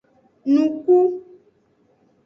Nuku.